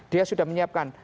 dia sudah menyiapkan